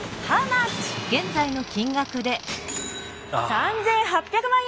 ３，８００万円です。